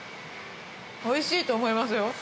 おいしいと思いますよ。